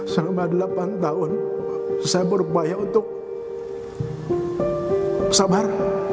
selama delapan tahun saya berupaya untuk sabar